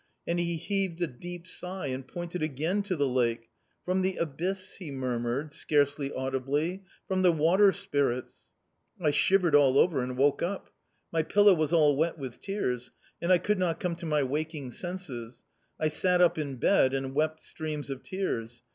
And he heaved a deep sigh and pointed again to the lake. 'From the abyss,' he murmured, scarcely audibly, 'from the water spirits.' I shivered all over and woke up. My pillow was all wet with tears ; and I could not come to my waking senses ; I sat up in bed, and wept streams of tears.